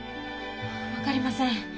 分かりません。